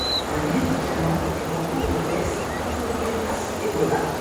Le médicament est en cours de test contre le virus Ebola.